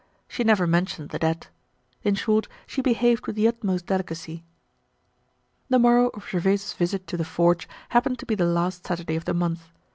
She never mentioned the debt. In short, she behaved with the utmost delicacy. The morrow of Gervaise's visit to the forge happened to be the last Saturday of the month.